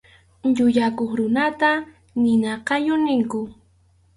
Llullakuq runata nina qallu ninkum.